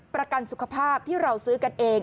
ประกันสุขภาพที่เราซื้อกันเอง